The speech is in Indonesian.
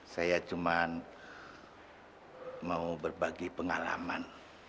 saya cuma mau berbagi pengalaman